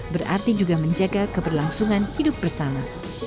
berarti juga menjaga keberlangsungan hidup bersama